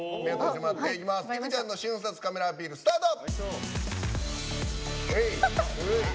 いくちゃんの瞬殺カメラアピール、スタート。